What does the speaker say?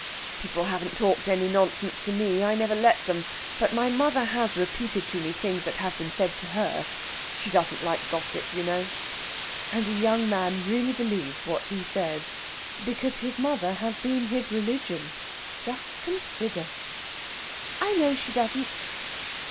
"People haven't talked any nonsense to me; I never let them. But my mother has repeated to me things that have been said to her.... She doesn't like gossip, you know!" And the young man really believes what he says. Because his mother has been his religion just consider! "I know she doesn't."